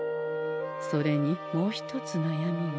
それにもう一つなやみが。